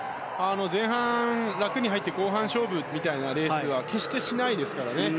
前半は楽に入って後半勝負みたいなレースは決してしないですから。